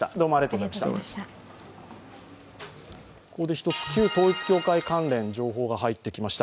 ここで１つ、旧統一教会関連情報が入ってきました。